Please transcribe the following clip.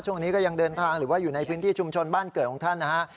ช่วงนี้ก็ยังเดินทางหรือว่าอยู่ในพื้นที่ชุมชนบ้านเกิดของท่านนะฮะ